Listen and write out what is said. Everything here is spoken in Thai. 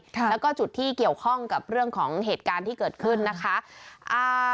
แล้วก็จุดที่เกี่ยวข้องกับเรื่องของเหตุการณ์ที่เกิดขึ้นนะคะ